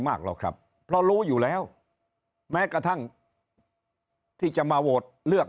มากหรอกครับเพราะรู้อยู่แล้วแม้กระทั่งที่จะมาโหวตเลือก